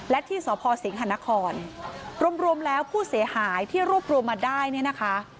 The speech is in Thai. และที่สพสิงหานครรวมแล้วผู้เสียหายที่รวบรวมมาได้เนี่ยนะคะ